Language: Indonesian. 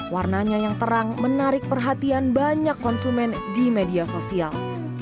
warnanya yang terang menarik perhatian banyak konsumen di media sosial